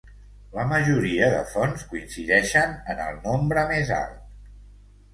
La majoria de fonts coincideixen en el nombre més alt.